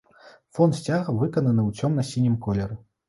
Фон сцяга выкананы ў цёмна-сінім колеры.